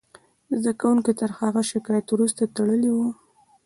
زده کوونکو تر هغه شکایت وروسته تړلې وه